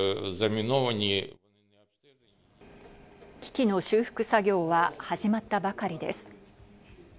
機器の修復作業は始まったばかりです。